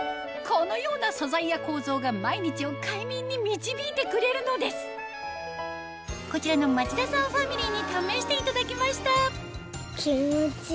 このような素材や構造が毎日を快眠に導いてくれるのですこちらの町田さんファミリーに試していただきました